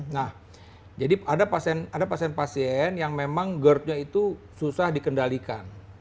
nah jadi ada pasien pasien yang memang gerdnya itu susah dikendalikan